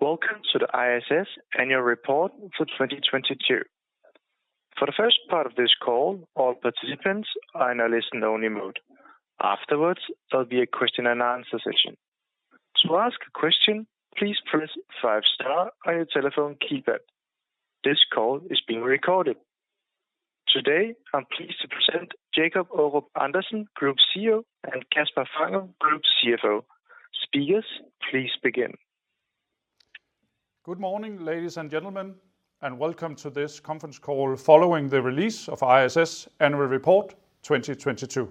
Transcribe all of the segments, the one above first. Welcome to the ISS Annual Report for 2022. For the first part of this call, all participants are in a listen-only mode. Afterwards, there'll be a question and answer session. To ask a question, please press five star on your telephone keypad. This call is being recorded. Today, I'm pleased to present Jacob Aarup-Andersen, Group CEO, and Kasper Fangel, Group CFO. Speakers, please begin. Good morning, ladies and gentlemen, and welcome to this conference call following the release of ISS Annual Report 2022.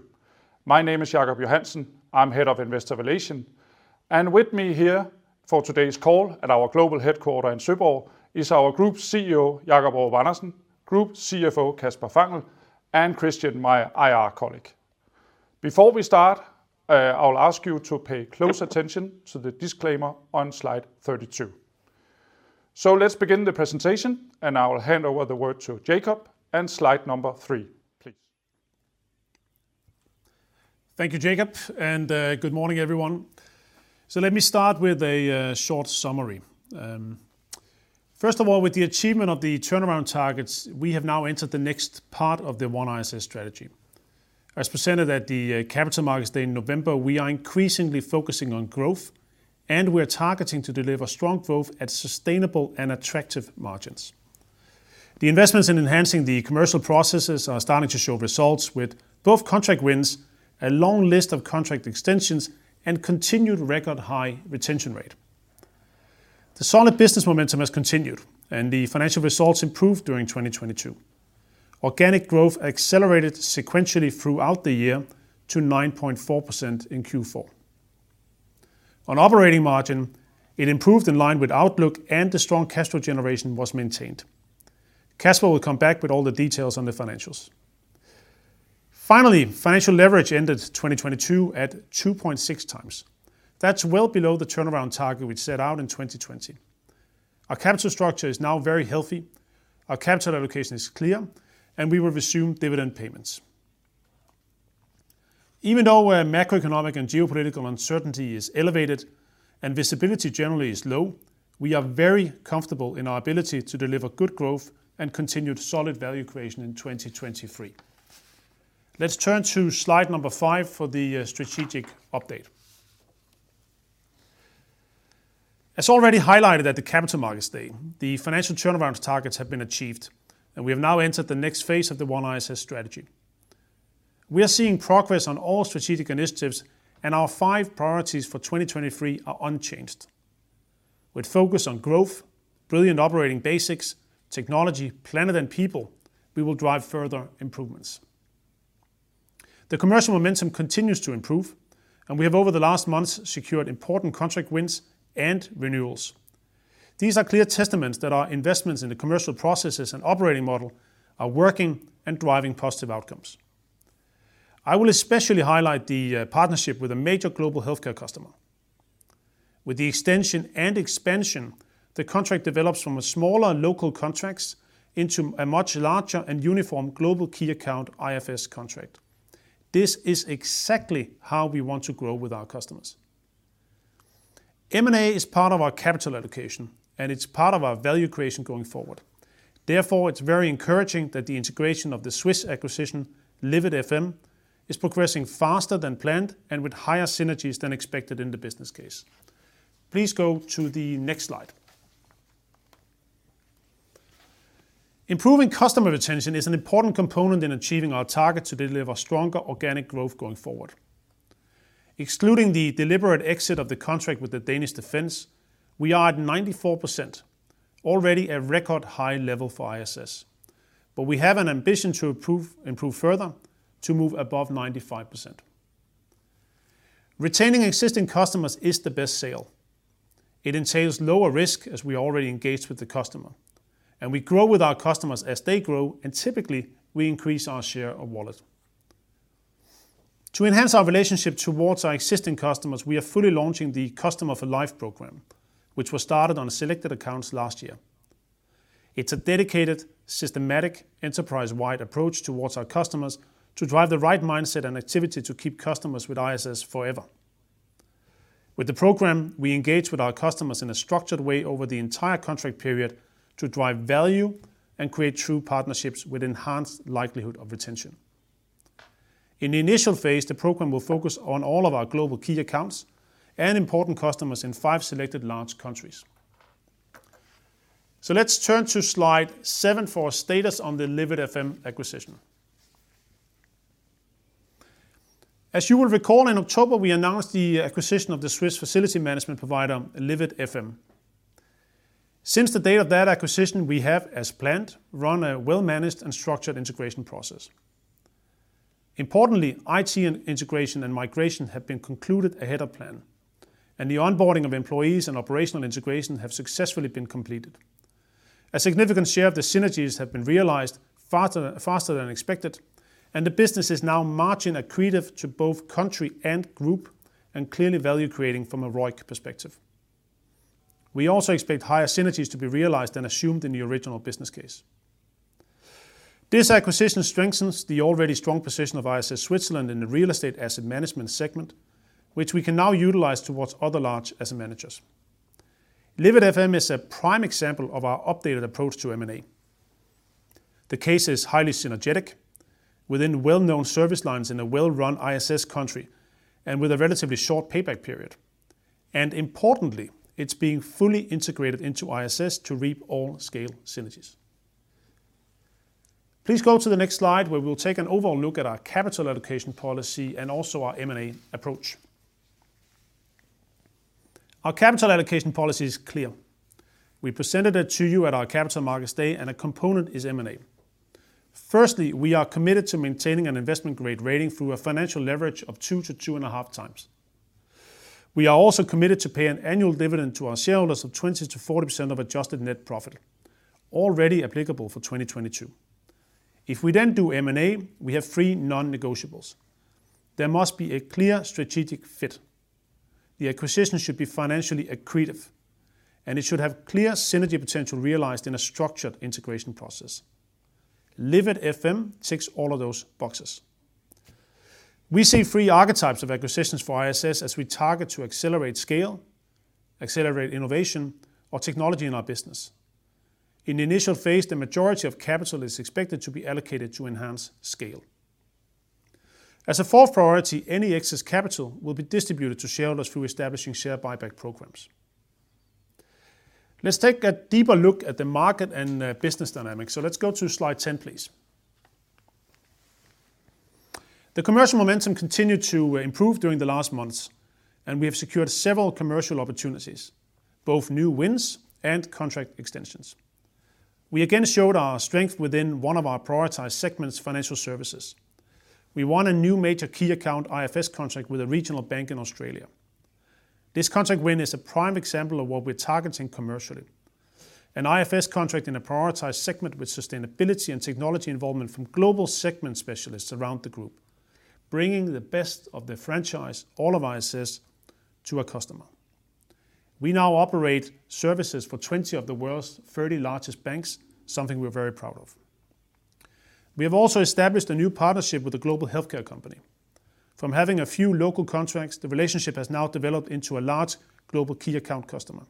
My name is Jacob Johansen, I'm Head of Investor Relations. With me here for today's call at our global headquarters in Søborg is our Group CEO, Jacob Aarup-Andersen, Group CFO, Kasper Fangel, and Christian, my IR colleague. Before we start, I will ask you to pay close attention to the disclaimer on slide 32. Let's begin the presentation, I will hand over the word to Jacob and slide number three, please. Thank you, Jacob, and good morning, everyone. Let me start with a short summary. First of all, with the achievement of the turnaround targets, we have now entered the next part of the OneISS strategy. As presented at the Capital Markets Day in November, we are increasingly focusing on growth, and we're targeting to deliver strong growth at sustainable and attractive margins. The investments in enhancing the commercial processes are starting to show results with both contract wins, a long list of contract extensions, and continued record high retention rate. The solid business momentum has continued, and the financial results improved during 2022. Organic growth accelerated sequentially throughout the year to 9.4% in Q4. On Operating Margin, it improved in line with outlook and the strong cash flow generation was maintained. Kasper will come back with all the details on the financials. Finally, financial leverage ended 2022 at 2.6 times. That's well below the turnaround target we set out in 2020. Our capital structure is now very healthy, our capital allocation is clear, and we will resume dividend payments. Even though our macroeconomic and geopolitical uncertainty is elevated and visibility generally is low, we are very comfortable in our ability to deliver good growth and continued solid value creation in 2023. Let's turn to slide number five for the strategic update. As already highlighted at the Capital Markets Day, the financial turnaround targets have been achieved, and we have now entered the next phase of the OneISS strategy. We are seeing progress on all strategic initiatives, and our five priorities for 2023 are unchanged. With focus on growth, brilliant operating basics, technology, planet, and people, we will drive further improvements. The commercial momentum continues to improve, and we have over the last months secured important contract wins and renewals. These are clear testaments that our investments in the commercial processes and operating model are working and driving positive outcomes. I will especially highlight the partnership with a major global healthcare customer. With the extension and expansion, the contract develops from a smaller local contracts into a much larger and uniform global Key Account IFS contract. This is exactly how we want to grow with our customers. M&A is part of our capital allocation, and it's part of our value creation going forward. Therefore, it's very encouraging that the integration of the Swiss acquisition, Livit FM, is progressing faster than planned and with higher synergies than expected in the business case. Please go to the next slide. Improving customer retention is an important component in achieving our target to deliver stronger organic growth going forward. Excluding the deliberate exit of the contract with the Danish Defence, we are at 94%, already a record high level for ISS. We have an ambition to improve further to move above 95%. Retaining existing customers is the best sale. It entails lower risk as we already engaged with the customer, and we grow with our customers as they grow, and typically, we increase our share of wallet. To enhance our relationship towards our existing customers, we are fully launching the Customer for Life program, which was started on selected accounts last year. It's a dedicated, systematic, enterprise-wide approach towards our customers to drive the right mindset and activity to keep customers with ISS forever. With the program, we engage with our customers in a structured way over the entire contract period to drive value and create true partnerships with enhanced likelihood of retention. In the initial phase, the program will focus on all of our global Key Accounts and important customers in five selected large countries. Let's turn to slide seven for status on the Livit FM acquisition. As you will recall, in October, we announced the acquisition of the Swiss facility management provider, Livit FM. Since the date of that acquisition, we have, as planned, run a well-managed and structured integration process. Importantly, IT integration and migration have been concluded ahead of plan, and the onboarding of employees and operational integration have successfully been completed. A significant share of the synergies have been realized faster than expected, and the business is now margin accretive to both country and group and clearly value creating from a ROIC perspective. We also expect higher synergies to be realized than assumed in the original business case. This acquisition strengthens the already strong position of ISS Switzerland in the real estate Asset Management segment, which we can now utilize towards other large asset managers. Livit FM is a prime example of our updated approach to M&A. The case is highly synergetic within well-known service lines in a well-run ISS country and with a relatively short payback period. Importantly, it's being fully integrated into ISS to reap all scale synergies. Please go to the next slide, where we'll take an overall look at our capital allocation policy and also our M&A approach. Our capital allocation policy is clear. We presented it to you at our Capital Markets Day, and a component is M&A. Firstly, we are committed to maintaining an investment-grade rating through a financial leverage of 2x-2.5x. We are also committed to pay an annual dividend to our shareholders of 20%-40% of adjusted net profit, already applicable for 2022. If we then do M&A, we have three non-negotiables. There must be a clear strategic fit. The acquisition should be financially accretive, and it should have clear synergy potential realized in a structured integration process. Livit FM ticks all of those boxes. We see three archetypes of acquisitions for ISS as we target to accelerate scale, accelerate innovation or technology in our business. In the initial phase, the majority of capital is expected to be allocated to enhance scale. As a fourth priority, any excess capital will be distributed to shareholders through establishing share buyback programs. Let's take a deeper look at the market and business dynamics. Let's go to slide 10, please. The commercial momentum continued to improve during the last months, and we have secured several commercial opportunities, both new wins and contract extensions. We again showed our strength within one of our prioritized segments, financial services. We won a new major key account IFS contract with a regional bank in Australia. This contract win is a prime example of what we're targeting commercially. An IFS contract in a prioritized segment with sustainability and technology involvement from global segment specialists around the group, bringing the best of the franchise, all of ISS, to a customer. We now operate services for 20 of the world's 30 largest banks, something we're very proud of. We have also established a new partnership with a global healthcare company. From having a few local contracts, the relationship has now developed into a large global key account customer.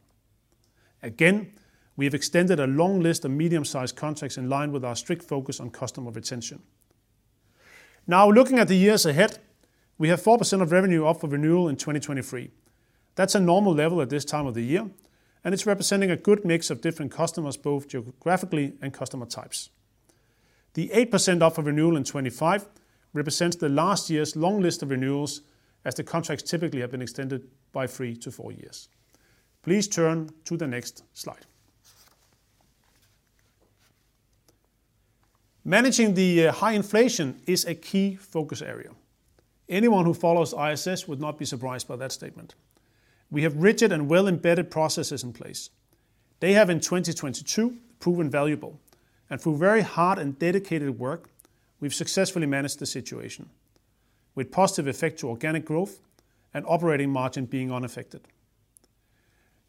We have extended a long list of medium-sized contracts in line with our strict focus on customer retention. Looking at the years ahead, we have 4% of revenue up for renewal in 2023. That's a normal level at this time of the year, and it's representing a good mix of different customers, both geographically and customer types. The 8% up for renewal in 2025 represents the last year's long list of renewals, as the contracts typically have been extended by three to four years. Please turn to the next slide. Managing the high inflation is a key focus area. Anyone who follows ISS would not be surprised by that statement. We have rigid and well-embedded processes in place. They have in 2022 proven valuable, and through very hard and dedicated work, we've successfully managed the situation with positive effect to organic growth and operating margin being unaffected.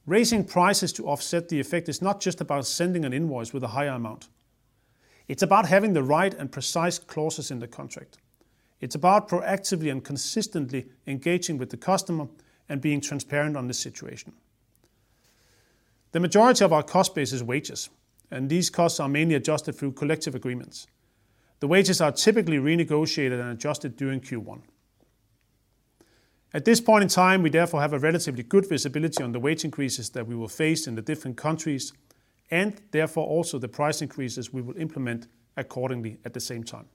Raising prices to offset the effect is not just about sending an invoice with a higher amount. It's about having the right and precise clauses in the contract. It's about proactively and consistently engaging with the customer and being transparent on the situation. The majority of our cost base is wages, and these costs are mainly adjusted through collective agreements. The wages are typically renegotiated and adjusted during Q1. At this point in time, we therefore have a relatively good visibility on the wage increases that we will face in the different countries and therefore also the price increases we will implement accordingly at the same time.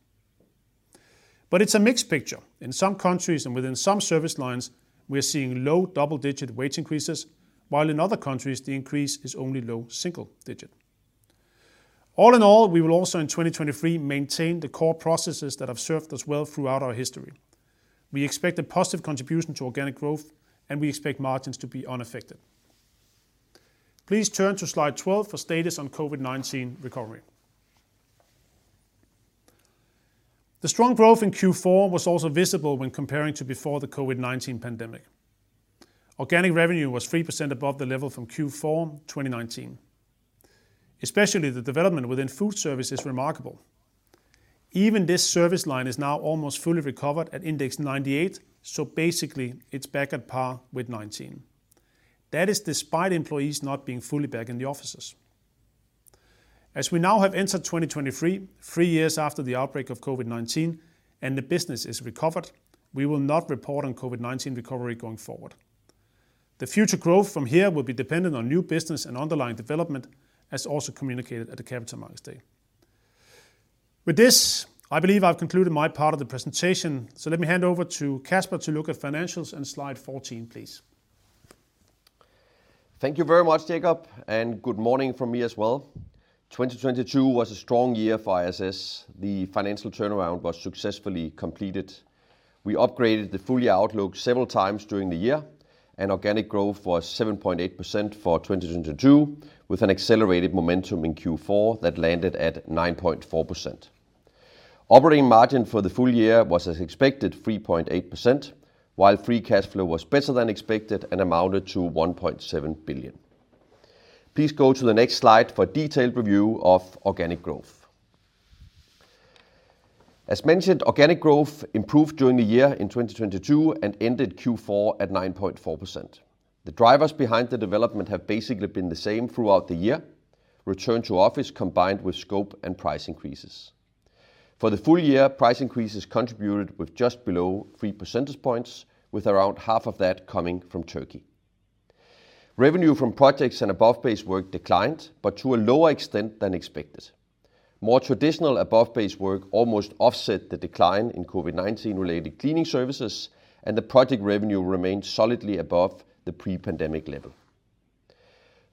It's a mixed picture. In some countries and within some service lines, we are seeing low double-digit wage increases, while in other countries, the increase is only low single-digit. All in all, we will also in 2023 maintain the core processes that have served us well throughout our history. We expect a positive contribution to organic growth, and we expect margins to be unaffected. Please turn to slide 12 for status on COVID-19 recovery. The strong growth in Q4 was also visible when comparing to before the COVID-19 pandemic. Organic revenue was 3% above the level from Q4 2019. Especially the development within Food Services is remarkable. Even this service line is now almost fully recovered at index 98, Basically it's back at par with 2019. That is despite employees not being fully back in the offices. As we now have entered 2023, 3 years after the outbreak of COVID-19, and the business is recovered, we will not report on COVID-19 recovery going forward. The future growth from here will be dependent on new business and underlying development, as also communicated at the Capital Markets Day. With this, I believe I've concluded my part of the presentation. Let me hand over to Kasper to look at financials on slide 14, please. Thank you very much, Jacob, and good morning from me as well. 2022 was a strong year for ISS. The financial turnaround was successfully completed. We upgraded the full-year outlook several times during the year, and organic growth was 7.8% for 2022, with an accelerated momentum in Q4 that landed at 9.4%. Operating margin for the full year was as expected, 3.8%, while Free Cash Flow was better than expected and amounted to 1.7 billion. Please go to the next slide for a detailed review of organic growth. As mentioned, organic growth improved during the year in 2022 and ended Q4 at 9.4%. The drivers behind the development have basically been the same throughout the year. Return to office combined with scope and price increases. For the full year, price increases contributed with just below 3 percentage points, with around half of that coming from Turkey. Revenue from projects and above base work declined, to a lower extent than expected. More traditional above base work almost offset the decline in COVID-19 related cleaning services, the project revenue remained solidly above the pre-pandemic level.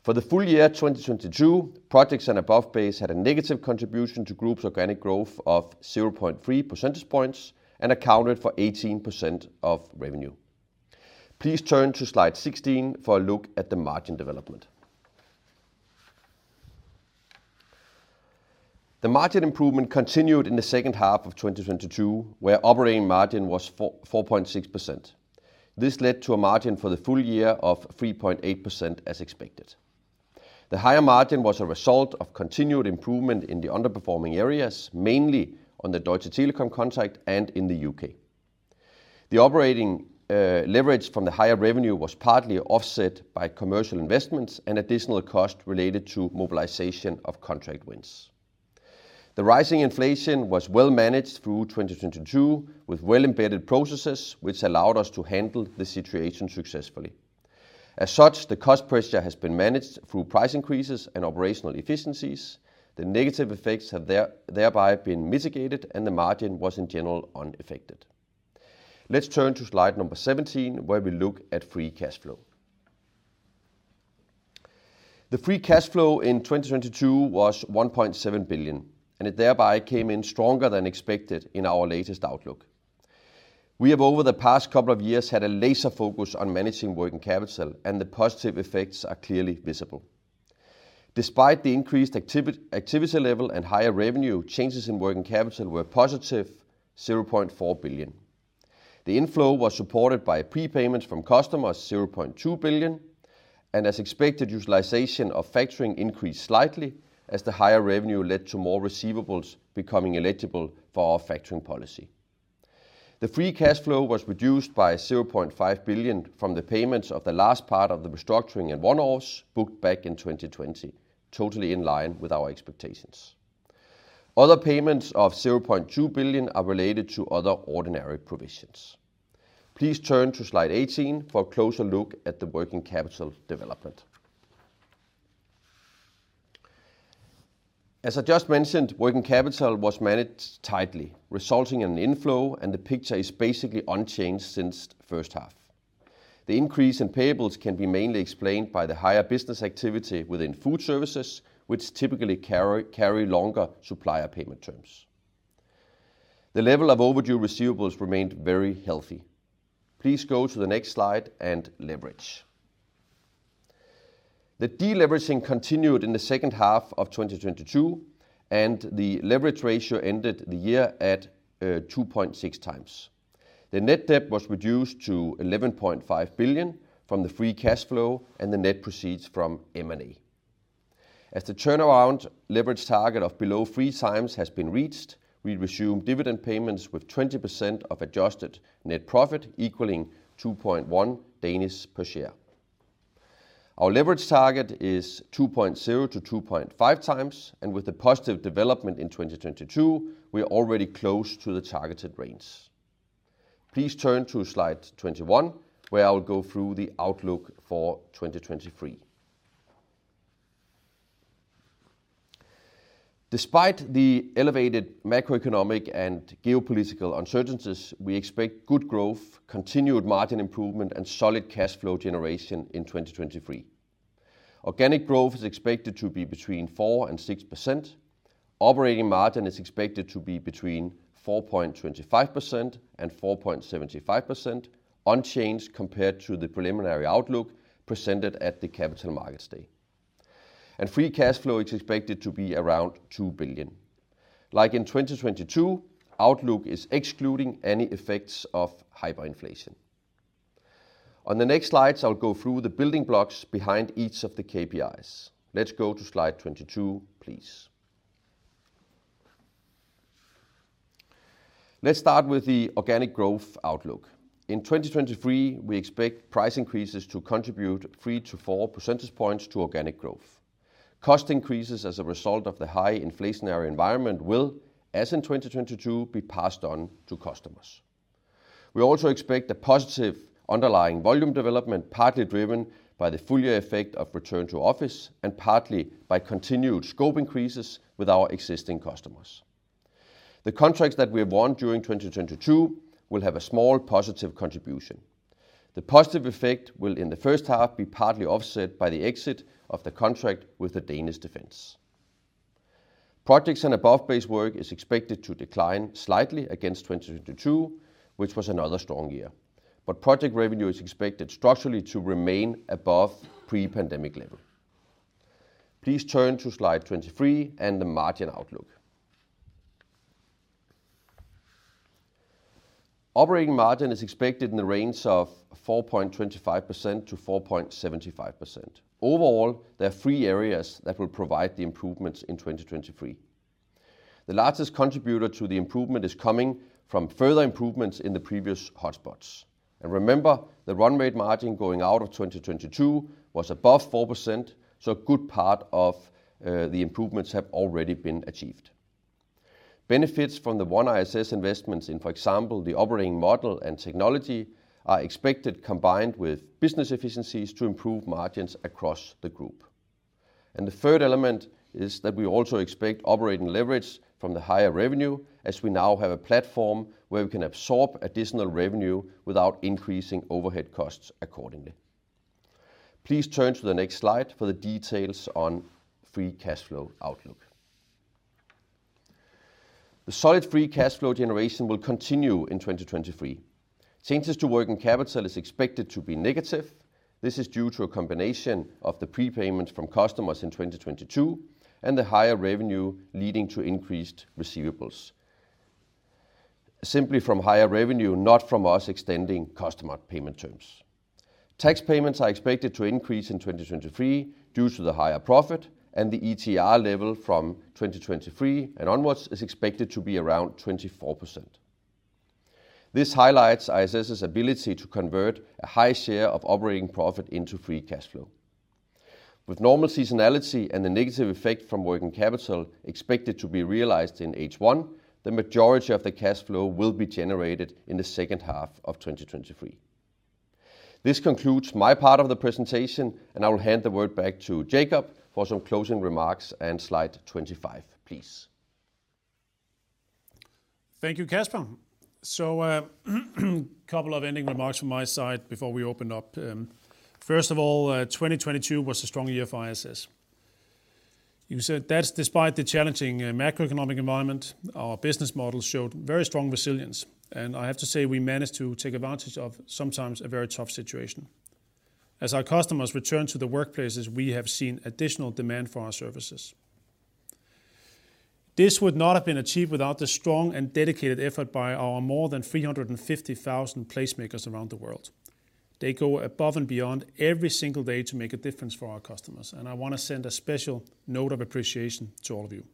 For the full year 2022, projects and above base had a negative contribution to Group's organic growth of 0.3 percentage points and accounted for 18% of revenue. Please turn to slide 16 for a look at the margin development. The margin improvement continued in the second half of 2022, where operating margin was 4.6%. This led to a margin for the full year of 3.8% as expected. The higher margin was a result of continued improvement in the underperforming areas, mainly on the Deutsche Telekom contract and in the U.K. The operating leverage from the higher revenue was partly offset by commercial investments and additional cost related to mobilization of contract wins. The rising inflation was well managed through 2022 with well-embedded processes which allowed us to handle the situation successfully. As such, the cost pressure has been managed through price increases and operational efficiencies. The negative effects have thereby been mitigated and the margin was in general unaffected. Let's turn to slide number 17, where we look at Free Cash Flow. The Free Cash Flow in 2022 was 1.7 billion, and it thereby came in stronger than expected in our latest outlook. We have, over the past couple of years, had a laser focus on managing working capital, and the positive effects are clearly visible. Despite the increased activity level and higher revenue, changes in working capital were positive, 0.4 billion. The inflow was supported by prepayments from customers, 0.2 billion, and as expected, utilization of factoring increased slightly as the higher revenue led to more receivables becoming eligible for our factoring policy. The Free Cash Flow was reduced by 0.5 billion from the payments of the last part of the restructuring and one-offs booked back in 2020, totally in line with our expectations. Other payments of 0.2 billion are related to other ordinary provisions. Please turn to slide 18 for a closer look at the working capital development. As I just mentioned, working capital was managed tightly, resulting in an inflow, and the picture is basically unchanged since first half. The increase in payables can be mainly explained by the higher business activity within Food Services, which typically carry longer supplier payment terms. The level of overdue receivables remained very healthy. Please go to the next slide and leverage. The deleveraging continued in the second half of 2022, and the leverage ratio ended the year at 2.6x. The net debt was reduced to 11.5 billion from the Free Cash Flow and the net proceeds from M&A. As the turnaround leverage target of below 3x has been reached, we resume dividend payments with 20% of adjusted net profit equaling 2.1 per share. Our leverage target is 2.0x-2.5x, and with the positive development in 2022, we are already close to the targeted range. Please turn to slide 21, where I will go through the outlook for 2023. Despite the elevated macroeconomic and geopolitical uncertainties, we expect good growth, continued margin improvement, and solid cash flow generation in 2023. Organic growth is expected to be between 4% and 6%. Operating margin is expected to be between 4.25% and 4.75%, unchanged compared to the preliminary outlook presented at the Capital Markets Day. Free Cash Flow is expected to be around 2 billion. Like in 2022, outlook is excluding any effects of hyperinflation. On the next slides, I'll go through the building blocks behind each of the KPIs. Let's go to slide 22, please. Let's start with the organic growth outlook. In 2023, we expect price increases to contribute 3-4 percentage points to organic growth. Cost increases as a result of the high inflationary environment will, as in 2022, be passed on to customers. We also expect a positive underlying volume development, partly driven by the full year effect of return to office and partly by continued scope increases with our existing customers. The contracts that we have won during 2022 will have a small positive contribution. The positive effect will, in the first half, be partly offset by the exit of the contract with the Danish Defence. Projects and above base work is expected to decline slightly against 2022, which was another strong year. Project revenue is expected structurally to remain above pre-pandemic level. Please turn to slide 23 and the margin outlook. Operating margin is expected in the range of 4.25%-4.75%. Overall, there are three areas that will provide the improvements in 2023. The largest contributor to the improvement is coming from further improvements in the previous hotspots. Remember, the run rate margin going out of 2022 was above 4%, so a good part of the improvements have already been achieved. Benefits from the OneISS investments in, for example, the operating model and technology are expected, combined with business efficiencies, to improve margins across the Group. The third element is that we also expect operating leverage from the higher revenue, as we now have a platform where we can absorb additional revenue without increasing overhead costs accordingly. Please turn to the next slide for the details on Free Cash Flow outlook. The solid Free Cash Flow generation will continue in 2023. Changes to working capital is expected to be negative. This is due to a combination of the prepayments from customers in 2022 and the higher revenue leading to increased receivables. Simply from higher revenue, not from us extending customer payment terms. Tax payments are expected to increase in 2023 due to the higher profit, and the ETR level from 2023 and onwards is expected to be around 24%. This highlights ISS' ability to convert a high share of operating profit into Free Cash Flow. With normal seasonality and the negative effect from working capital expected to be realized in H1, the majority of the cash flow will be generated in the second half of 2023. This concludes my part of the presentation, and I will hand the word back to Jacob for some closing remarks and slide 25, please. Thank you, Kasper. A couple of ending remarks from my side before we open up. First of all, 2022 was a strong year for ISS. You said that's despite the challenging macroeconomic environment, our business model showed very strong resilience. I have to say, we managed to take advantage of sometimes a very tough situation. As our customers return to the workplaces, we have seen additional demand for our services. This would not have been achieved without the strong and dedicated effort by our more than 350,000 placemakers around the world. They go above and beyond every single day to make a difference for our customers, and I wanna send a special note of appreciation to all of you.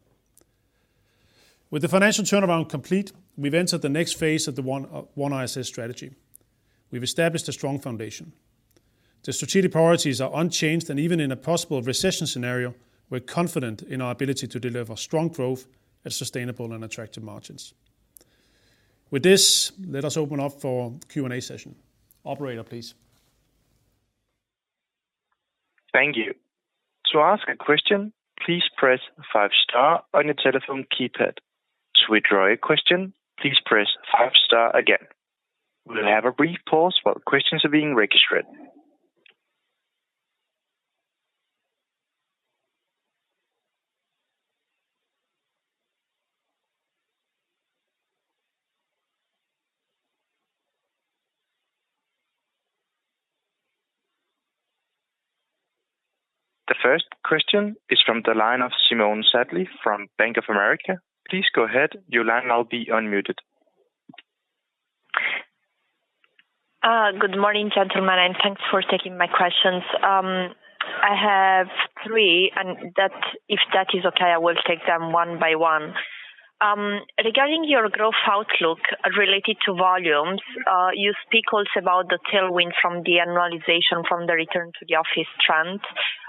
With the financial turnaround complete, we've entered the next phase of the OneISS strategy. We've established a strong foundation. The strategic priorities are unchanged, and even in a possible recession scenario, we're confident in our ability to deliver strong growth at sustainable and attractive margins. With this, let us open up for Q&A session. Operator, please. Thank you. To ask a question, please press five star on your telephone keypad. To withdraw your question, please press five star again. We'll have a brief pause while questions are being registered. The first question is from the line of Simona Sarli from Bank of America. Please go ahead. Your line will now be unmuted. Good morning, gentlemen, thanks for taking my questions. I have three. If that is okay, I will take them one by one. Regarding your growth outlook related to volumes, you speak also about the tailwind from the annualization from the return to the office trend.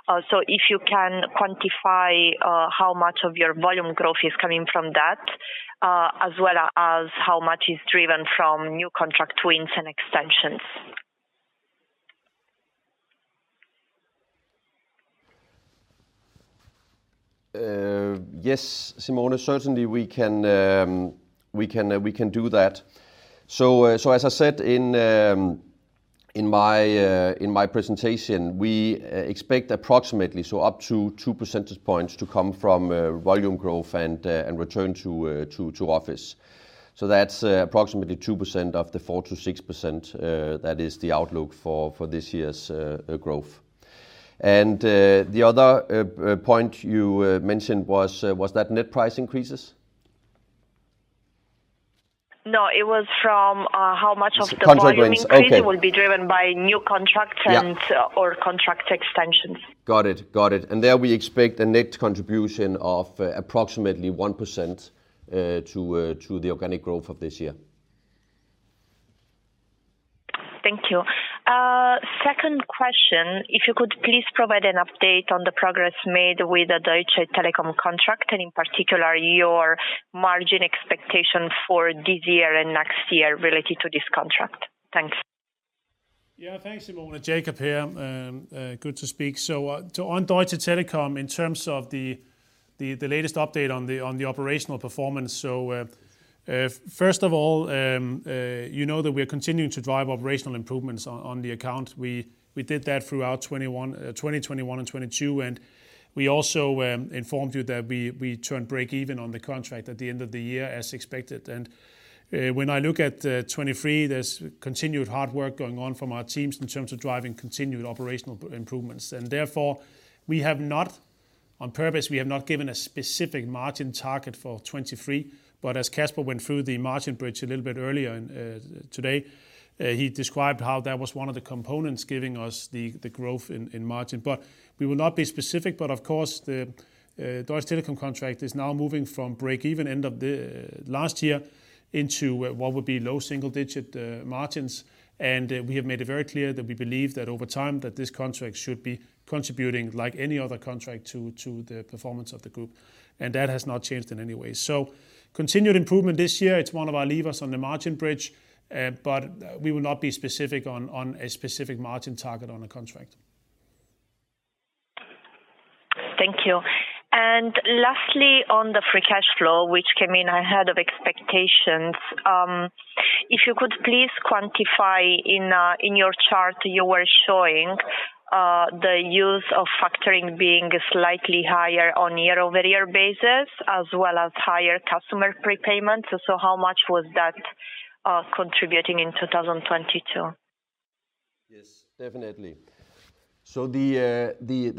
If you can quantify how much of your volume growth is coming from that, as well as how much is driven from new contract wins and extensions. Yes, Simona, certainly we can do that. As I said in my presentation, we expect approximately, so up to 2 percentage points to come from volume growth and return to office. That's approximately 2% of the 4%-6% that is the outlook for this year's growth. The other point you mentioned was that net price increases? No, it was from how much of the volume. Contract wins. Okay. -increase will be driven by new contracts and- Yeah. contract extensions. Got it. Got it. There we expect a net contribution of approximately 1% to the organic growth of this year. Thank you. second question, if you could please provide an update on the progress made with the Deutsche Telekom contract, and in particular, your margin expectation for this year and next year related to this contract. Thanks. Yeah, thanks, Simona. Jacob here. Good to speak. On Deutsche Telekom, in terms of the latest update on the operational performance. First of all, you know that we're continuing to drive operational improvements on the account. We did that throughout 2021 and 2022, and we also informed you that we turned breakeven on the contract at the end of the year as expected. When I look at 2023, there's continued hard work going on from our teams in terms of driving continued operational improvements. Therefore, we have not on purpose, we have not given a specific margin target for 2023, but as Kasper went through the margin bridge a little bit earlier in today, he described how that was one of the components giving us the growth in margin. We will not be specific, but of course the Deutsche Telekom contract is now moving from break-even end of the last year into what would be low single digit margins. We have made it very clear that we believe that over time, that this contract should be contributing like any other contract to the performance of the group, and that has not changed in any way. Continued improvement this year, it's one of our levers on the margin bridge. we will not be specific on a specific margin target on the contract. Thank you. Lastly, on the Free Cash Flow, which came in ahead of expectations, if you could please quantify in your chart you were showing the use of factoring being slightly higher on year-over-year basis as well as higher customer prepayments. How much was that contributing in 2022? Definitely. The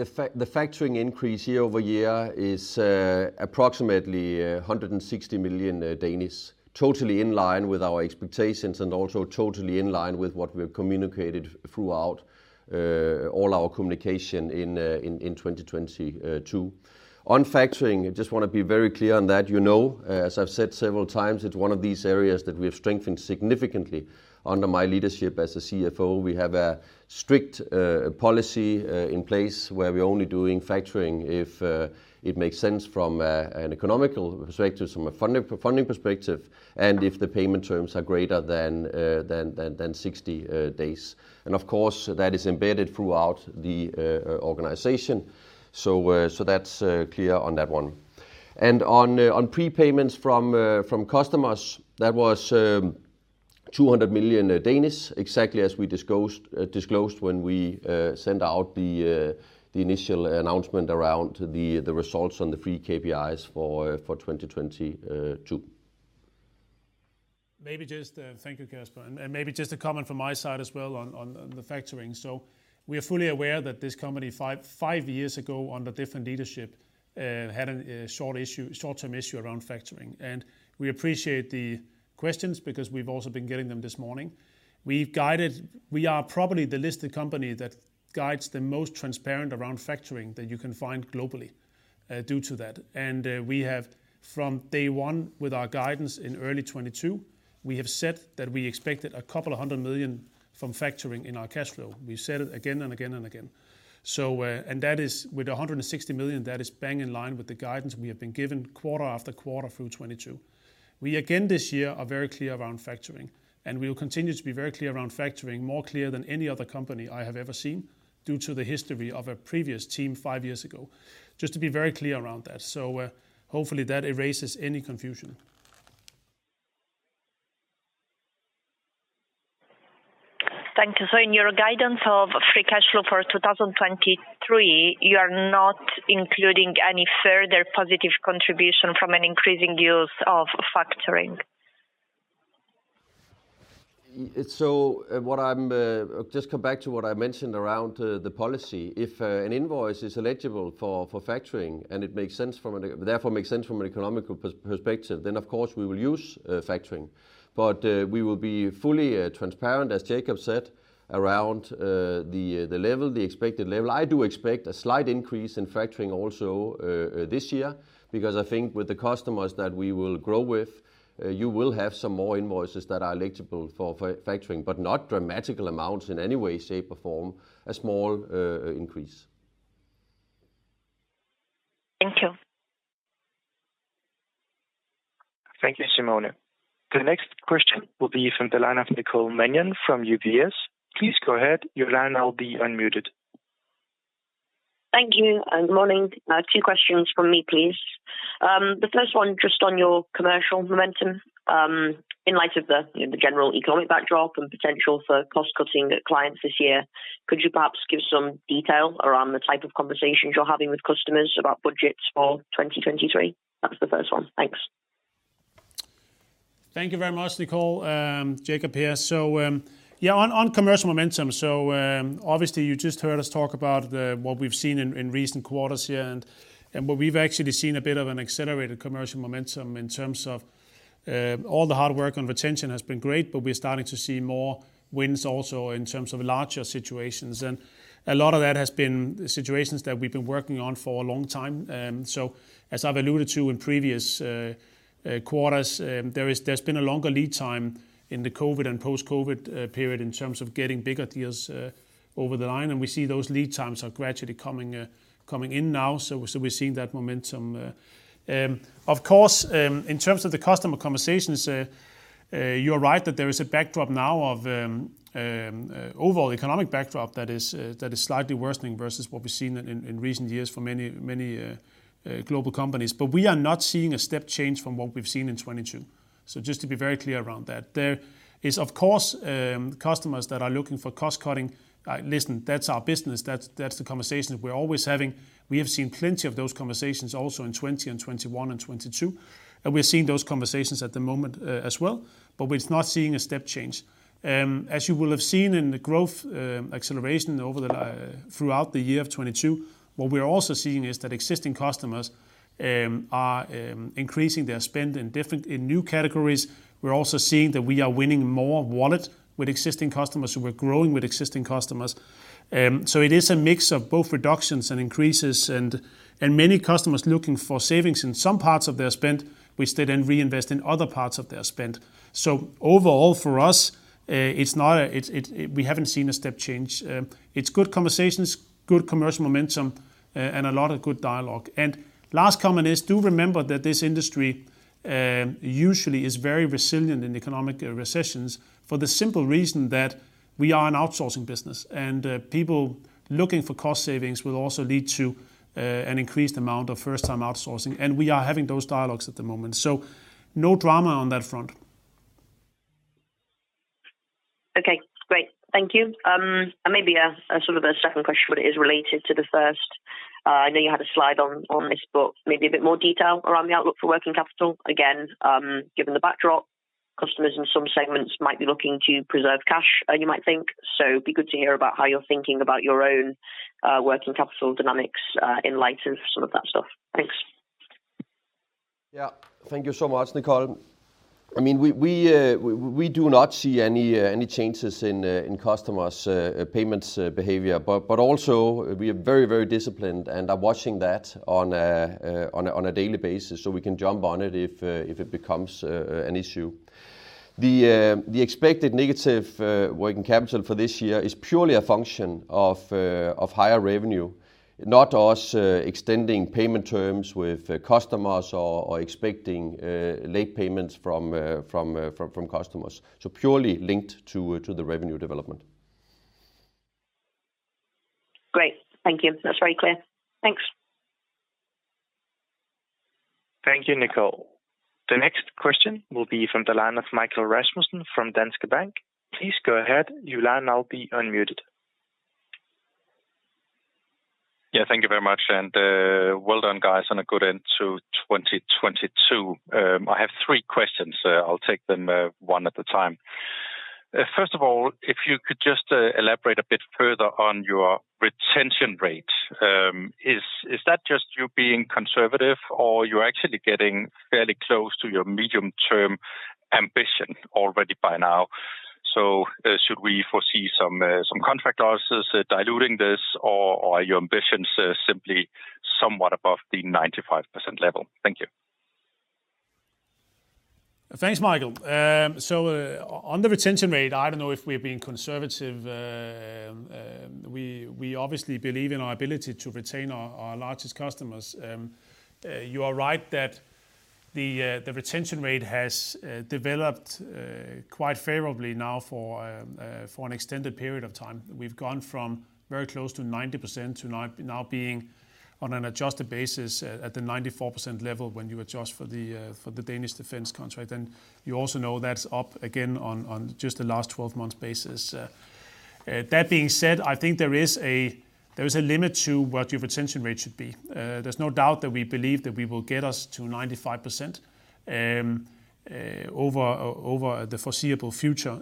factoring increase year-over-year is approximately 160 million, totally in line with our expectations and also totally in line with what we have communicated throughout all our communication in 2022. On factoring, I just wanna be very clear on that, you know, as I've said several times, it's one of these areas that we have strengthened significantly under my leadership as a CFO. We have a strict policy in place where we're only doing factoring if it makes sense from an economical perspective, from a funding perspective, and if the payment terms are greater than 60 days. Of course, that is embedded throughout the organization. That's clear on that one. On prepayments from customers, that was 200 million, exactly as we disclosed when we sent out the initial announcement around the results on the free KPIs for 2022. Maybe just Thank you, Kasper. Maybe just a comment from my side as well on the factoring. We are fully aware that this company five years ago, under different leadership, had a short-term issue around factoring. We appreciate the questions because we've also been getting them this morning. We've guided. We are probably the listed company that guides the most transparent around factoring that you can find globally due to that. We have from day one with our guidance in early 2022, we have said that we expected a couple of 100 million from factoring in our cash flow. We've said it again and again and again. That is, with 160 million, that is bang in line with the guidance we have been given quarter after quarter through 2022. We again this year are very clear around factoring. We will continue to be very clear around factoring, more clear than any other company I have ever seen due to the history of a previous team five years ago. Just to be very clear around that. Hopefully that erases any confusion. Thank you. In your guidance of Free Cash Flow for 2023, you are not including any further positive contribution from an increasing use of factoring? What I'm just come back to what I mentioned around the policy. If an invoice is eligible for factoring and it makes sense from an economical perspective, of course we will use factoring. We will be fully transparent, as Jacob said, around the level, the expected level. I do expect a slight increase in factoring also this year, because I think with the customers that we will grow with, you will have some more invoices that are eligible for factoring, but not dramatical amounts in any way, shape, or form. A small increase. Thank you. Thank you, Simona. The next question will be from the line of Nicole Manion from UBS. Please go ahead. Your line will be unmuted. Thank you. Good morning. Two questions from me, please. The first one just on your commercial momentum. In light of the, you know, the general economic backdrop and potential for cost-cutting that clients this year, could you perhaps give some detail around the type of conversations you're having with customers about budgets for 2023? That was the first one. Thanks. Thank you very much, Nicole. Jacob here. Yeah, on commercial momentum, obviously you just heard us talk about what we've seen in recent quarters here and what we've actually seen a bit of an accelerated commercial momentum in terms of all the hard work on retention has been great, but we're starting to see more wins also in terms of larger situations. A lot of that has been situations that we've been working on for a long time. As I've alluded to in previous quarters, there's been a longer lead time in the COVID and post-COVID period in terms of getting bigger deals over the line, and we see those lead times are gradually coming in now. We're seeing that momentum. Of course, in terms of the customer conversations, you're right that there is a backdrop now of overall economic backdrop that is slightly worsening versus what we've seen in recent years for many global companies. We are not seeing a step change from what we've seen in 2022. Just to be very clear around that. There is, of course, customers that are looking for cost-cutting. Listen, that's our business, that's the conversation we're always having. We have seen plenty of those conversations also in 2020 and 2021 and 2022, and we're seeing those conversations at the moment as well. We're not seeing a step change. As you will have seen in the growth acceleration over the throughout the year of 2022, what we're also seeing is that existing customers are increasing their spend in different, in new categories. We're also seeing that we are winning more wallet with existing customers, so we're growing with existing customers. It is a mix of both reductions and increases and many customers looking for savings in some parts of their spend which they then reinvest in other parts of their spend. Overall for us, it's not a, we haven't seen a step change. It's good conversations, good commercial momentum, and a lot of good dialogue. Last comment is, do remember that this industry, usually is very resilient in economic recessions for the simple reason that we are an outsourcing business, and people looking for cost savings will also lead to an increased amount of first-time outsourcing, and we are having those dialogues at the moment. No drama on that front. Okay. Great. Thank you. Maybe a sort of a second question, but it is related to the first. I know you had a slide on this, but maybe a bit more detail around the outlook for working capital. Again, given the backdrop, customers in some segments might be looking to preserve cash, you might think. Be good to hear about how you're thinking about your own working capital dynamics in light of some of that stuff. Thanks. Yeah. Thank you so much, Nicole. I mean, we do not see any changes in customers' payments behavior. Also, we are very disciplined and are watching that on a daily basis, so we can jump on it if it becomes an issue. The expected negative working capital for this year is purely a function of higher revenue, not us extending payment terms with customers or expecting late payments from customers. Purely linked to the revenue development. Great. Thank you. That's very clear. Thanks. Thank you, Nicole. The next question will be from the line of Michael Rasmussen from Danske Bank. Please go ahead. Your line now be unmuted. Thank you very much, and well done, guys, on a good end to 2022. I have three questions. I'll take them one at a time. First of all, if you could just elaborate a bit further on your retention rate. Is that just you being conservative or you're actually getting fairly close to your medium-term ambition already by now? Should we foresee some contract losses diluting this, or are your ambitions simply somewhat above the 95% level? Thank you. Thanks, Michael. On the retention rate, I don't know if we're being conservative. We obviously believe in our ability to retain our largest customers. You are right that the retention rate has developed quite favorably now for an extended period of time. We've gone from very close to 90% to now being on an adjusted basis at the 94% level when you adjust for the Danish Defence contract. You also know that's up again on just the last 12 months basis. That being said, I think there is a limit to what your retention rate should be. There's no doubt that we believe that we will get us to 95% over the foreseeable future.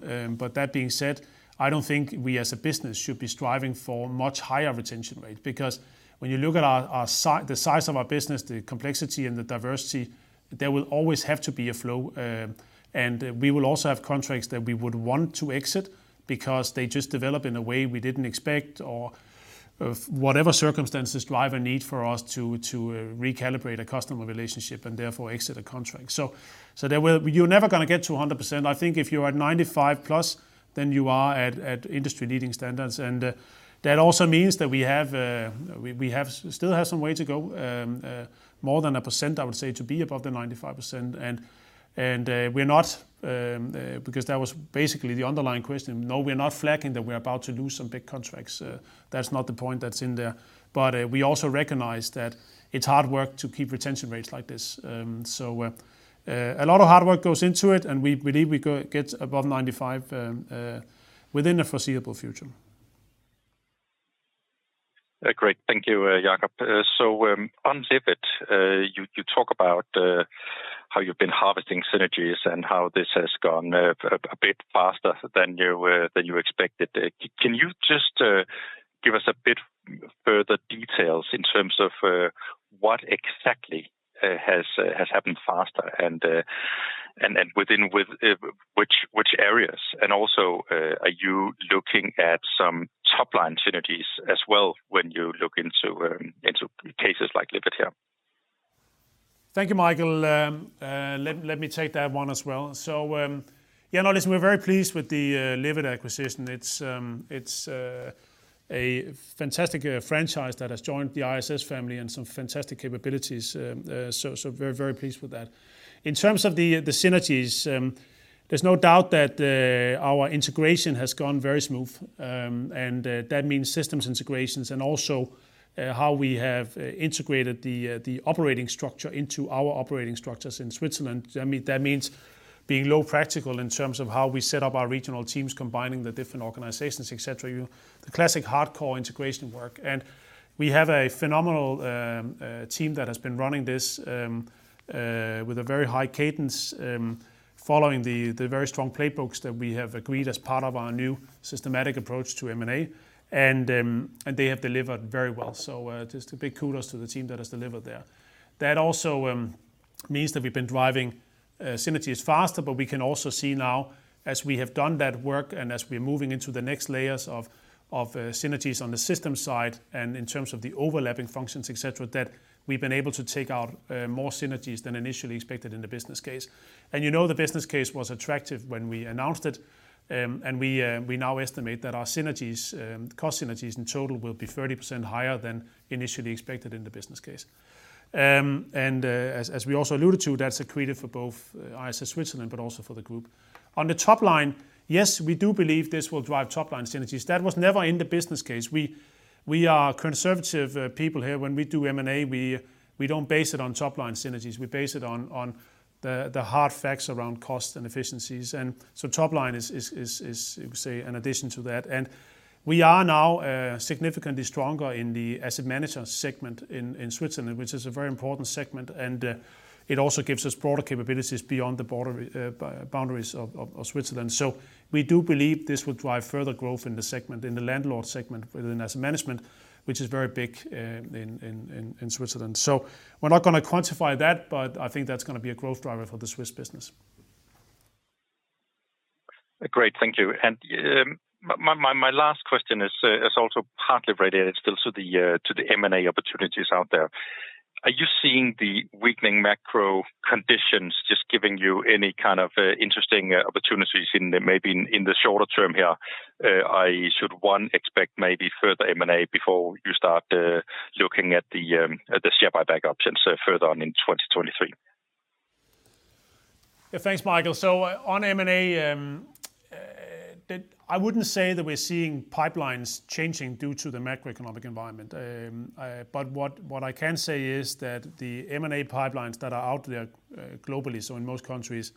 That being said, I don't think we as a business should be striving for much higher retention rate because when you look at our, the size of our business, the complexity and the diversity, there will always have to be a flow. We will also have contracts that we would want to exit because they just develop in a way we didn't expect or of whatever circumstances drive a need for us to recalibrate a customer relationship and therefore exit a contract. You're never gonna get to 100%. I think if you're at 95 plus, then you are at industry-leading standards. That also means that we still have some way to go, more than 1%, I would say, to be above the 95%. We're not, because that was basically the underlying question. No, we're not flagging that we're about to lose some big contracts. That's not the point that's in there. We also recognize that it's hard work to keep retention rates like this. A lot of hard work goes into it, and we believe we get above 95, within the foreseeable future. Great. Thank you, Jacob. On Livit, you talk about how you've been harvesting synergies and how this has gone a bit faster than you than you expected. Can you just give us a bit further details in terms of what exactly has happened faster and within which areas? Also, are you looking at some top-line synergies as well when you look into cases like Livit here? Thank you, Michael. Um, uh, let, let me take that one as well. So, um, yeah, no, listen, we're very pleased with the, uh, Livit acquisition. It's, um, it's, uh-A fantastic, uh, franchise that has joined the ISS family and some fantastic capabilities. Um, uh, so, so very, very pleased with that. In terms of the, the synergies, um, there's no doubt that, uh, our integration has gone very smooth. Um, and, uh, that means systems integrations and also, uh, how we have, uh, integrated the, uh, the operating structure into our operating structures in Switzerland. That mean-that means being low practical in terms of how we set up our regional teams, combining the different organizations, et cetera. You know, the classic hardcore integration work. We have a phenomenal team that has been running this with a very high cadence following the very strong playbooks that we have agreed as part of our new systematic approach to M&A, and they have delivered very well. Just a big kudos to the team that has delivered there. That also means that we've been driving synergies faster, but we can also see now as we have done that work and as we're moving into the next layers of synergies on the system side and in terms of the overlapping functions, et cetera, that we've been able to take out more synergies than initially expected in the business case. You know, the business case was attractive when we announced it. We now estimate that our synergies, cost synergies in total will be 30% higher than initially expected in the business case. As we also alluded to, that's accretive for both ISS Switzerland but also for the group. On the top-line, yes, we do believe this will drive top-line synergies. That was never in the business case. We are conservative people here. When we do M&A, we don't base it on top-line synergies. We base it on the hard facts around cost and efficiencies. Top-line is, you could say, an addition to that. We are now significantly stronger in the Asset Management segment in Switzerland, which is a very important segment, and it also gives us broader capabilities beyond the border boundaries of Switzerland. We do believe this will drive further growth in the segment, in the landlord segment within asset management, which is very big, in Switzerland. We're not gonna quantify that, but I think that's gonna be a growth driver for the Swiss business. Great. Thank you. My last question is also partly related still to the M&A opportunities out there. Are you seeing the weakening macro conditions just giving you any kind of interesting opportunities in the shorter term here? I should, one, expect maybe further M&A before you start looking at the share buyback options further on in 2023? Yeah. Thanks, Michael. On M&A, I wouldn't say that we're seeing pipelines changing due to the macroeconomic environment. What I can say is that the M&A pipelines that are out there, globally, so in most countries,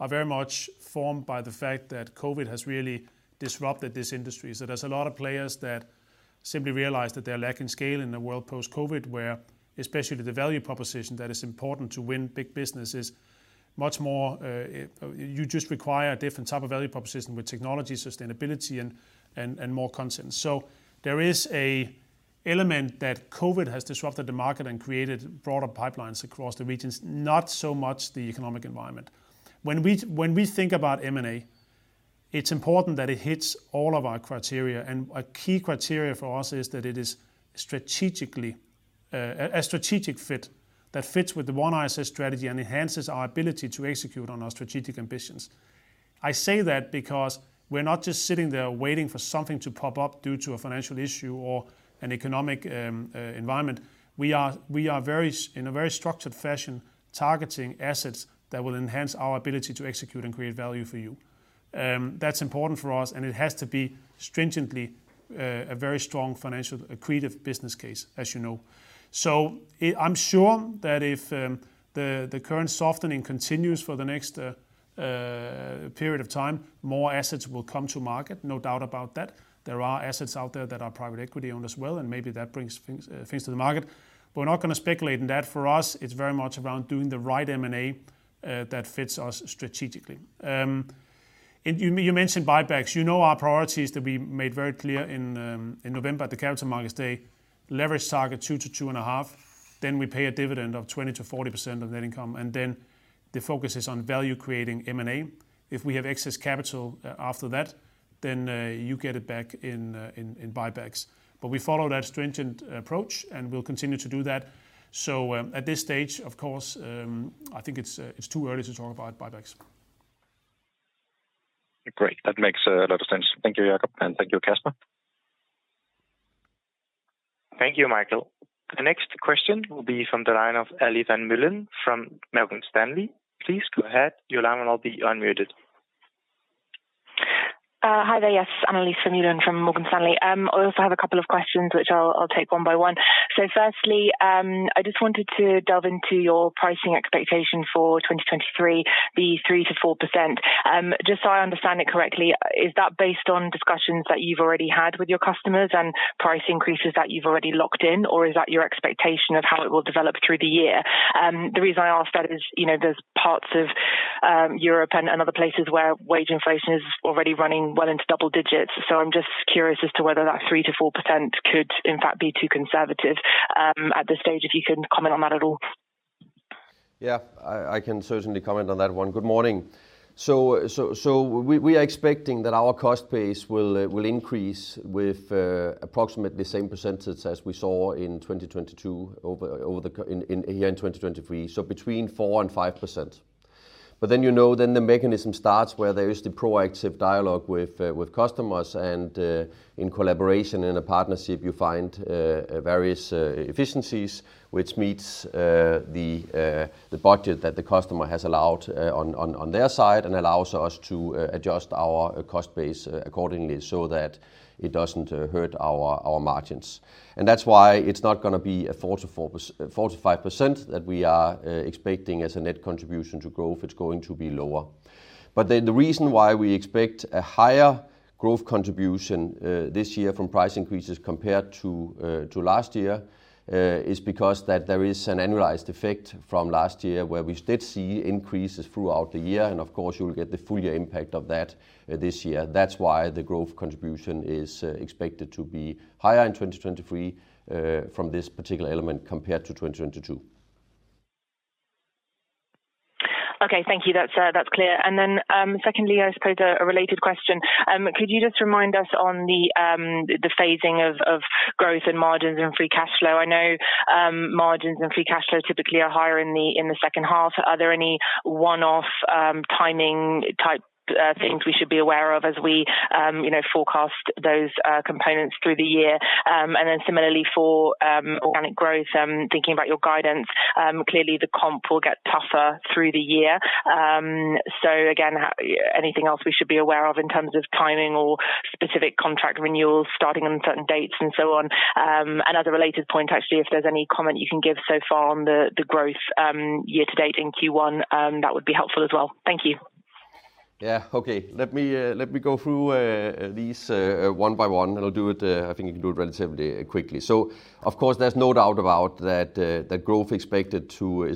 are very much formed by the fact that COVID has really disrupted this industry. There's a lot of players that simply realize that they're lacking scale in a world post-COVID where especially to the value proposition that is important to win big business is much more, you just require a different type of value proposition with technology, sustainability and more content. There is a element that COVID has disrupted the market and created broader pipelines across the regions, not so much the economic environment. When we think about M&A, it's important that it hits all of our criteria. A key criteria for us is that it is strategically a strategic fit that fits with the OneISS strategy and enhances our ability to execute on our strategic ambitions. I say that because we're not just sitting there waiting for something to pop up due to a financial issue or an economic environment. We are very, in a very structured fashion, targeting assets that will enhance our ability to execute and create value for you. That's important for us, and it has to be stringently a very strong financial accretive business case, as you know. I'm sure that if the current softening continues for the next period of time, more assets will come to market. No doubt about that. There are assets out there that are private equity-owned as well, maybe that brings things to the market. We're not gonna speculate in that. For us, it's very much around doing the right M&A that fits us strategically. You, you mentioned buybacks. You know our priorities that we made very clear in November at the Capital Markets Day. Leverage target 2 to 2.5, we pay a dividend of 20%-40% of net income, the focus is on value creating M&A. If we have excess capital after that, you get it back in buybacks. We follow that stringent approach, and we'll continue to do that. At this stage, of course, I think it's too early to talk about buybacks. Great. That makes a lot of sense. Thank you, Jacob, and thank you, Kasper. Thank you, Michael. The next question will be from the line of Annelies Vermeulen from Morgan Stanley. Please go ahead. Your line will now be unmuted. Hi there. Yes, Annelies Vermeulen from Morgan Stanley. I also have a couple of questions which I'll take one by one. Firstly, I just wanted to delve into your pricing expectation for 2023, the 3%-4%. Just so I understand it correctly, is that based on discussions that you've already had with your customers and price increases that you've already locked in, or is that your expectation of how it will develop through the year? The reason I ask that is, you know, there's parts of Europe and other places where wage inflation is already running well into double digits. I'm just curious as to whether that 3%-4% could in fact be too conservative, at this stage, if you can comment on that at all. Yeah. I can certainly comment on that one. Good morning. We are expecting that our cost base will increase with approximately the same percentage as we saw in 2022 here in 2023, so between 4% and 5%. you know, then the mechanism starts where there is the proactive dialogue with customers and in collaboration, in a partnership, you find various efficiencies which meets the budget that the customer has allowed on their side and allows us to adjust our cost base accordingly so that it doesn't hurt our margins. That's why it's not gonna be a 44%-45% that we are expecting as a net contribution to growth. It's going to be lower. The reason why we expect a higher growth contribution this year from price increases compared to last year is because that there is an annualized effect from last year where we did see increases throughout the year. Of course, you'll get the full year impact of that, this year. That's why the growth contribution is expected to be higher in 2023, from this particular element compared to 2022. Okay. Thank you. That's clear. Secondly, I suppose a related question. Could you just remind us on the phasing of growth and Free Cash Flow? i know Free Cash Flow typically are higher in the second half. Are there any one-off timing type things we should be aware of as we, you know, forecast those components through the year? Similarly for organic growth, thinking about your guidance, clearly the comp will get tougher through the year. Anything else we should be aware of in terms of timing or specific contract renewals starting on certain dates and so on? As a related point, actually, if there's any comment you can give so far on the growth, year to date in Q1, that would be helpful as well. Thank you. Yeah. Okay. Let me let me go through these one by one. I'll do it I think you can do it relatively quickly. Of course, there's no doubt about that that growth is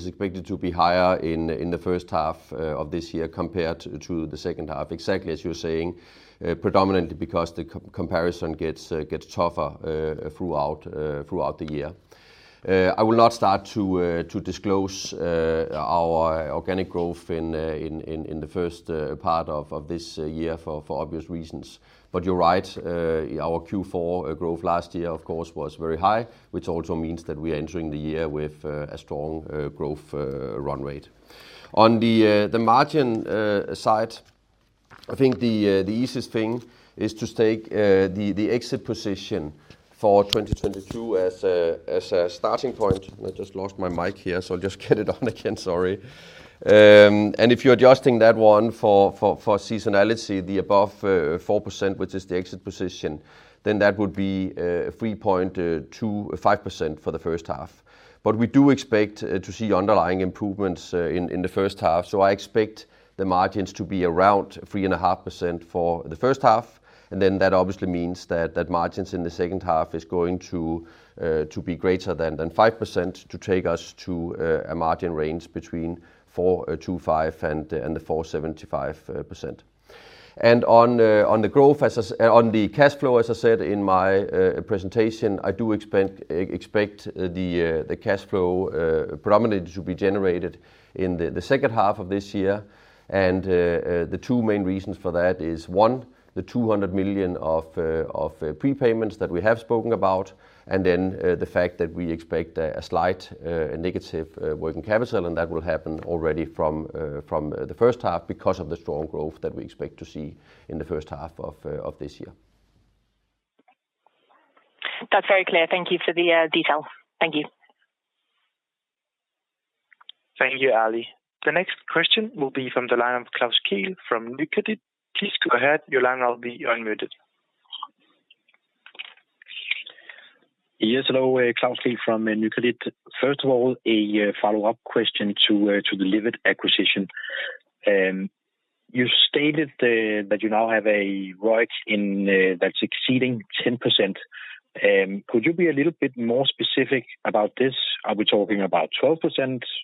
expected to be higher in the first half of this year compared to the second half. Exactly as you're saying, predominantly because the comparison gets tougher throughout the year. I will not start to disclose our organic growth in the first part of this year for obvious reasons. You're right, our Q4 growth last year, of course, was very high, which also means that we are entering the year with a strong growth run rate. On the margin side, I think the easiest thing is to take the exit position for 2022 as a starting point. I just lost my mic here, so I'll just get it on again. Sorry. If you're adjusting that one for seasonality, the above 4%, which is the exit position, then that would be 3.25% for the first half. We do expect to see underlying improvements in the first half. I expect the margins to be around 3.5% for the first half. That obviously means that margins in the second half is going to be greater than 5% to take us to a margin range between 4.25% and the 4.75%. On the cash flow, as I said in my presentation, I do expect the cash flow predominantly to be generated in the second half of this year. The two main reasons for that is, one, the 200 million of prepayments that we have spoken about, and then the fact that we expect a slight negative working capital, and that will happen already from the first half because of the strong growth that we expect to see in the first half of this year. That's very clear. Thank you for the detail. Thank you. Thank you, Annelies. The next question will be from the line of Klaus Kehl from Nykredit. Please go ahead. Your line will be unmuted. Yes. Hello. Klaus Kehl from Nykredit. First of all, a follow-up question to the Livit acquisition. You stated that you now have a ROIC that's exceeding 10%. Could you be a little bit more specific about this? Are we talking about 12%?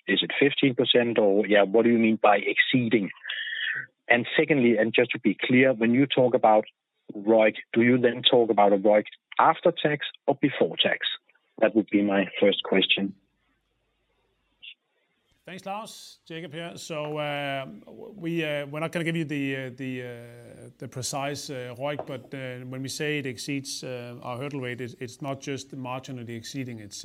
Is it 15%? Or, yeah, what do you mean by exceeding? Secondly, and just to be clear, when you talk about ROIC, do you then talk about a ROIC after tax or before tax? That would be my first question. Thanks, Klaus. Jacob here. We, we're not gonna give you the precise ROIC, but when we say it exceeds our hurdle rate, it's not just the margin of the exceeding it.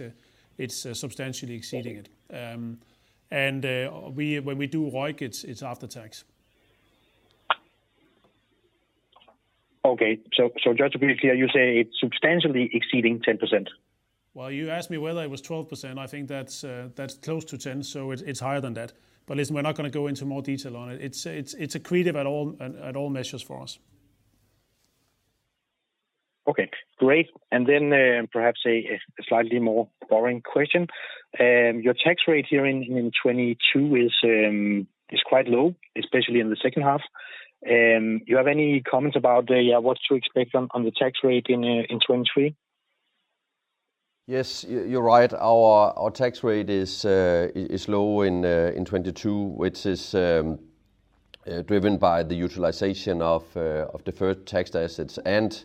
It's substantially exceeding it. We, when we do ROIC, it's after tax. Okay. Just to be clear, you say it's substantially exceeding 10%? You asked me whether it was 12%. I think that's close to 10, so it's higher than that. We're not gonna go into more detail on it. It's accretive at all measures for us. Okay, great. Perhaps a slightly more boring question. Your tax rate here in 2022 is quite low, especially in the second half. You have any comments about, yeah, what to expect on the tax rate in 2023? Yes. You're right. Our tax rate is low in 2022, which is driven by the utilization of deferred tax assets and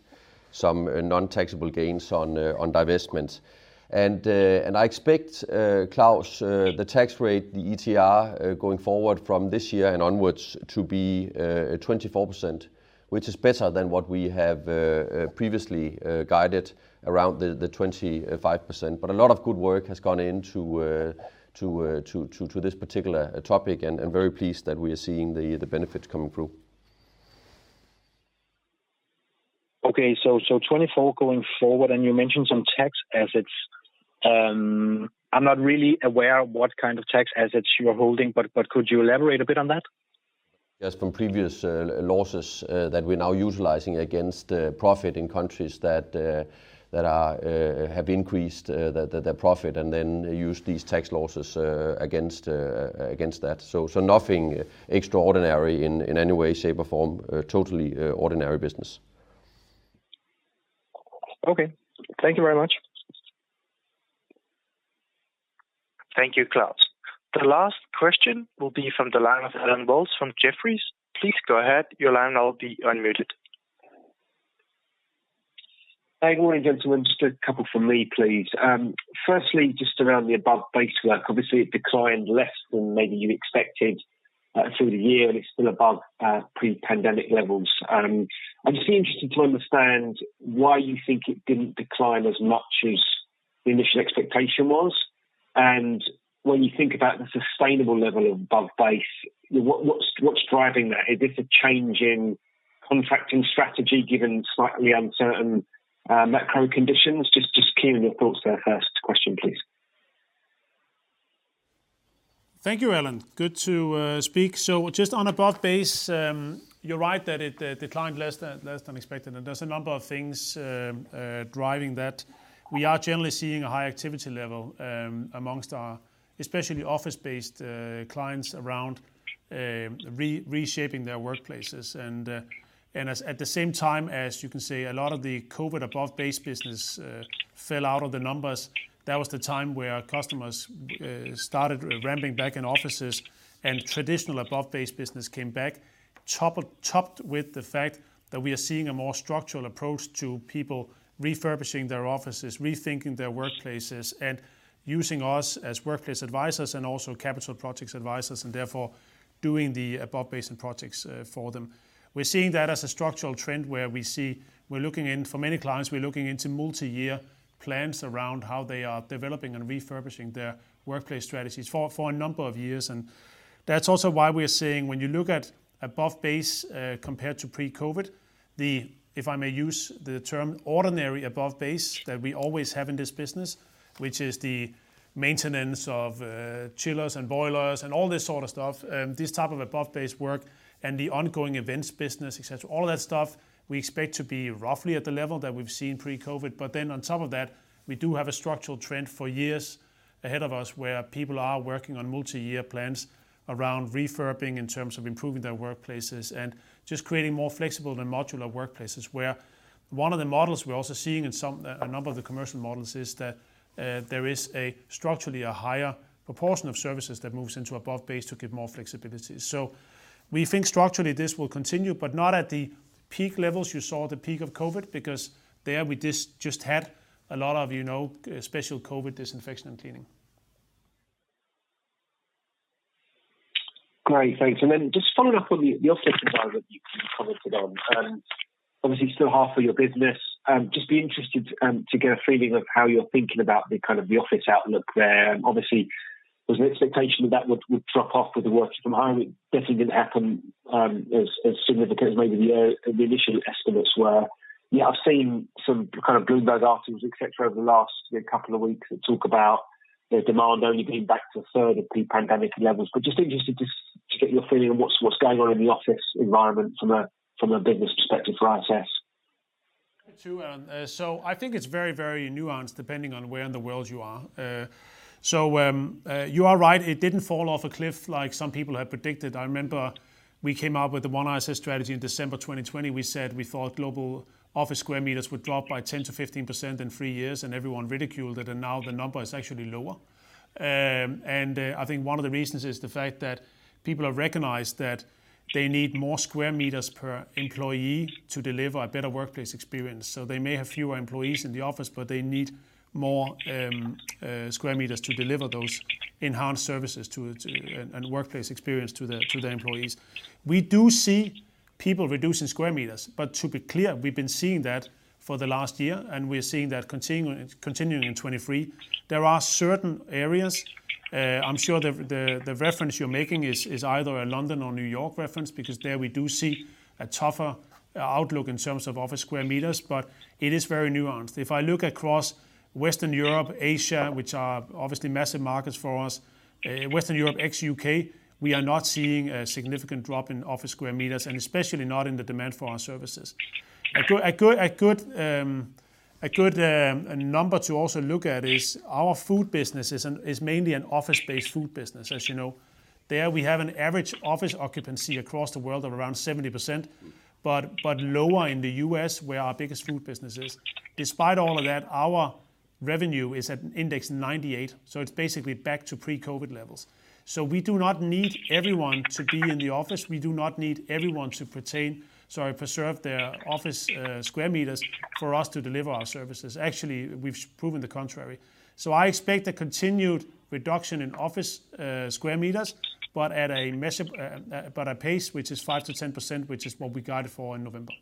some non-taxable gains on divestments. I expect Klaus, the tax rate, the ETR, going forward from this year and onwards to be 24%, which is better than what we have previously guided around the 25%. A lot of good work has gone into this particular topic, and I'm very pleased that we are seeing the benefits coming through. 2024 going forward, you mentioned some tax assets. I'm not really aware of what kind of tax assets you are holding, could you elaborate a bit on that? From previous losses that we're now utilizing against profit in countries that are have increased the profit and then use these tax losses against against that. Nothing extraordinary in any way, shape, or form. Totally ordinary business. Okay. Thank you very much. Thank you, Claus. The last question will be from the line of Anke Lütkenhorst from Jefferies. Please go ahead. Your line will be unmuted. Hi. Good morning, gentlemen. Just a couple from me, please. Firstly, just around the above base work, obviously it declined less than maybe you expected through the year, and it's still above pre-pandemic levels. I'm just interested to understand why you think it didn't decline as much as the initial expectation was. When you think about the sustainable level of above base, what's driving that? Is this a change in contracting strategy given slightly uncertain macro conditions? Just keen your thoughts there. First question, please. Thank you, Allen. Good to speak. Just on above base, you're right that it declined less than expected, and there's a number of things driving that. We are generally seeing a high activity level amongst our especially office-based clients around reshaping their workplaces. At the same time, as you can see, a lot of the COVID-19 above base business fell out of the numbers. That was the time where our customers started ramping back in offices and traditional above base business came back, topped with the fact that we are seeing a more structural approach to people refurbishing their offices, rethinking their workplaces, and using us as workplace advisors and also capital projects advisors and therefore doing the above base and projects for them. We're seeing that as a structural trend where we're looking for many clients, we're looking into multi-year plans around how they are developing and refurbishing their workplace strategies for a number of years and. That's also why we are seeing when you look at above base compared to pre-COVID. If I may use the term ordinary above base that we always have in this business, which is the maintenance of chillers and boilers and all this sort of stuff, this type of above base work and the ongoing events business, et cetera, all of that stuff we expect to be roughly at the level that we've seen pre-COVID. On top of that, we do have a structural trend for years ahead of us where people are working on multi-year plans around refurbing in terms of improving their workplaces and just creating more flexible and modular workplaces where one of the models we're also seeing in some, a number of the commercial models is that there is a structurally a higher proportion of services that moves into above base to give more flexibility. We think structurally this will continue, but not at the peak levels you saw at the peak of COVID, because there we just had a lot of, you know, special COVID disinfection and cleaning. Great. Thanks. Then just following up on the office environment you commented on. Obviously still half of your business. Just be interested to get a feeling of how you're thinking about the kind of the office outlook there. Obviously, there's an expectation that that would drop off with the working from home. It definitely didn't happen as significantly as maybe the initial estimates were. Yeah, I've seen some kind of Bloomberg articles, et cetera, over the last couple of weeks that talk about the demand only being back to a third of pre-pandemic levels. Just interested to get your feeling on what's going on in the office environment from a business perspective for ISS. I think it's very, very nuanced depending on where in the world you are. You are right, it didn't fall off a cliff like some people had predicted. I remember we came out with the OneISS strategy in December 2020. We said we thought global office square meters would drop by 10%-15% in three years, and everyone ridiculed it, and now the number is actually lower. I think one of the reasons is the fact that people have recognized that they need more square meters per employee to deliver a better workplace experience. They may have fewer employees in the office, but they need more square meters to deliver those enhanced services to and workplace experience to the employees. We do see people reducing square meters, but to be clear, we've been seeing that for the last year, and we're seeing that continuing in 2023. There are certain areas, I'm sure the reference you're making is either a London or New York reference because there we do see a tougher outlook in terms of office square meters, but it is very nuanced. If I look across Western Europe, Asia, which are obviously massive markets for us. Western Europe, ex-UK, we are not seeing a significant drop in office square meters and especially not in the demand for our services. A good number to also look at is our food business is mainly an office-based food business, as you know. There, we have an average office occupancy across the world of around 70%, but lower in the U.S. where our biggest food business is. Despite all of that, our revenue is at index 98, it's basically back to pre-COVID levels. We do not need everyone to be in the office. We do not need everyone to pertain, sorry, preserve their office square meters for us to deliver our services. Actually, we've proven the contrary. I expect a continued reduction in office square meters, but at a massive but a pace which is 5%-10%, which is what we guided for in November.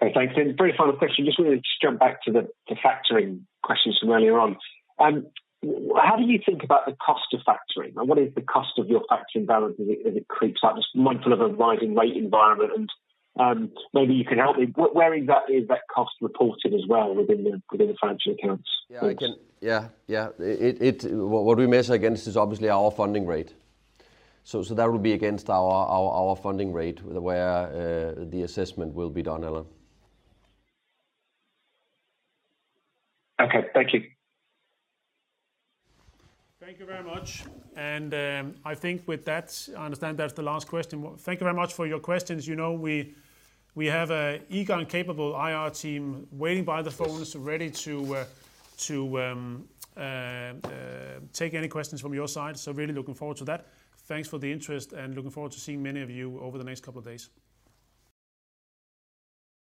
Okay. Thanks. Very final question. Just wanted to jump back to the factoring questions from earlier on. How do you think about the cost of factoring? What is the cost of your factoring balance as it creeps up this month of a rising rate environment? Maybe you can help me, where exactly is that cost reported as well within the financial accounts? Yeah, I can. Yeah. Yeah. What we measure against is obviously our funding rate. That would be against our funding rate where the assessment will be done, Allen. Okay. Thank you. Thank you very much. I think with that, I understand that's the last question. Thank you very much for your questions. You know, we have a eager and capable IR team waiting by the phones ready to take any questions from your side. Really looking forward to that. Thanks for the interest, and looking forward to seeing many of you over the next couple of days.